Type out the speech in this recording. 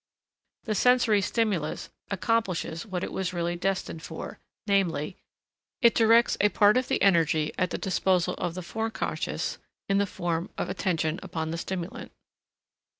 The sensory stimulus accomplishes what it was really destined for, namely, it directs a part of the energy at the disposal of the Forec. in the form of attention upon the stimulant.